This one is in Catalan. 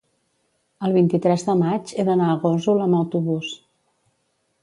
el vint-i-tres de maig he d'anar a Gósol amb autobús.